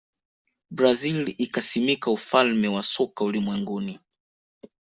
brazil ikasimika ufalme wa soka ulimwenguni